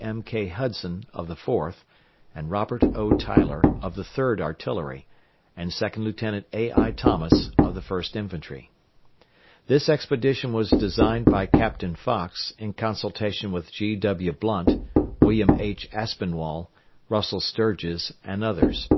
M.K. Hudson, of the Fourth, and Robert O. Tyler, of the Third Artillery, and Second Lieutenant A.I. Thomas, of the First Infantry. This expedition was designed by Captain Fox, in consultation with G.W. Blunt, William H. Aspinwall, Russel Sturges, and others.